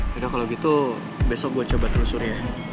yaudah kalau gitu besok gue coba terus surya